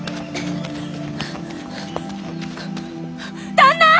旦那！